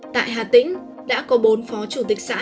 tại hà tĩnh đã có bốn phó chủ tịch xã